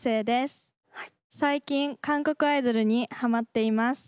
最近韓国アイドルにはまっています。